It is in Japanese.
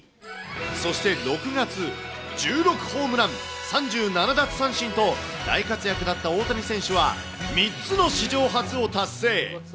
そして６月、１６ホームラン、３７奪三振と、大活躍だった大谷選手は、３つの史上初を達成。